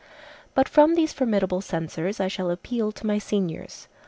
But from these formidable censors I shall appeal to my seniors.